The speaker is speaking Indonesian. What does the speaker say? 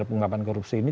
pengungkapan korupsi ini